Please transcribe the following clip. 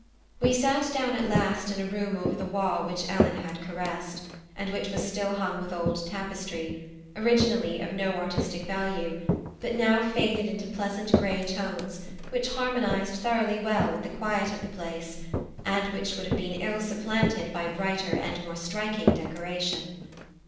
We sat down at last in a room over the wall which Ellen had caressed, and which was still hung with old tapestry, originally of no artistic value, but now faded into pleasant grey tones which harmonised thoroughly well with the quiet of the place, and which would have been ill supplanted by brighter and more striking decoration.